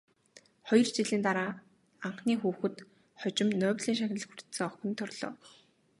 Хоёр жилийн дараа анхны хүүхэд, хожим Нобелийн шагнал хүртсэн охин нь төрлөө.